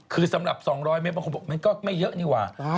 คือสำหรับ๒๐๐เมตรบางคนบอกมันก็ไม่เยอะนี่หว่า